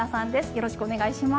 よろしくお願いします。